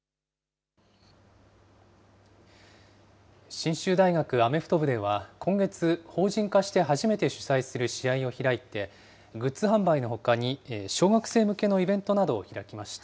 信州大学アメフト部では、今月、法人化して初めて主催する試合を開いて、グッズ販売のほかに、小学生向けのイベントなどを開きました。